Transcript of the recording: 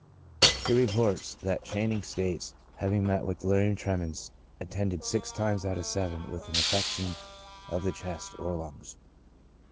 He reports, that Channing 62 CHRONIC ALCOHOLISM. States having met with delirium tremens attended six times out of seven with an affection of the chest (lungs).